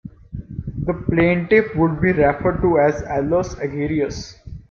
The plaintiff would be referred to as "Aulus Agerius".